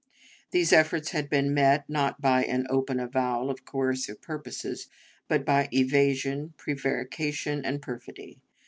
These efforts had been met, not by an open avowal of coercive purposes, but by evasion, prevarication, and perfidy.